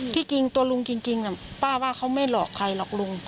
จริงตัวลุงจริงป้าว่าเขาไม่หลอกใครหรอกลุง